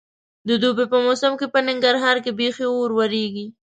د دوبي په موسم کې په ننګرهار کې بیخي اور ورېږي.